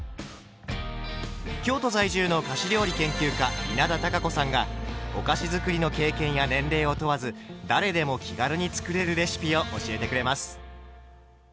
京都在住の菓子料理研究家稲田多佳子さんがお菓子づくりの経験や年齢を問わず誰でも気軽に作れるレシピを教えてくれます。